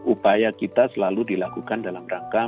upaya kita selalu dilakukan dalam rangka